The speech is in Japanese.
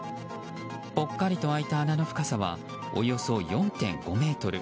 ぽっかりと開いた穴の深さはおよそ４．５ｍ。